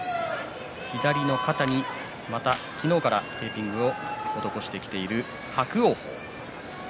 左の肩に昨日からテーピングを施している伯桜鵬。